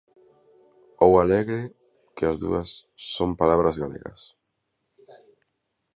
Ou alegre, que as dúas son palabras galegas.